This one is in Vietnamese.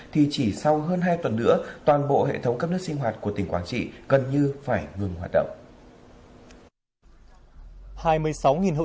thì chỉ sau hơn hai tuần nữa toàn bộ hệ thống cấp nước sinh hoạt của tỉnh quảng trị gần như phải ngừng hoạt động